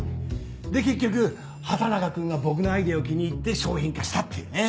で結局畑中君が僕のアイデアを気に入って商品化したっていうね。